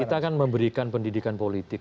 kita kan memberikan pendidikan politik